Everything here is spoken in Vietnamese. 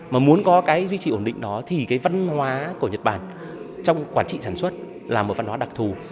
mà muốn có cái duy trì ổn định đó thì cái văn hóa của nhật bản trong quản trị sản xuất là một văn hóa đặc thù